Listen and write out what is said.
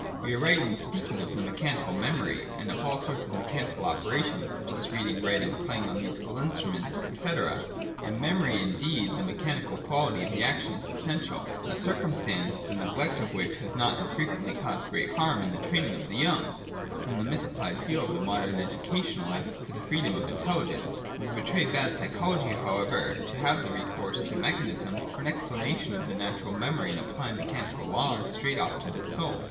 We are right in speaking of mechanical memory, and all sorts of mechanical operations, such as reading, writing, playing on musical instruments, &c. In memory, indeed, the mechanical quality of the action is essential : a circumstance, the neglect of which has not unfrequently caused great harm in the training of the 3'oung, from the misapplied zeal of modern educationalists for the freedom of intelligence. It would betray bad psychology, however, to have recourse to mechanism for an explanation of the nature of memory, and to apply mechanical laws straight off to the soul.